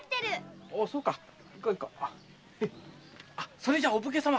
それじゃお武家さま。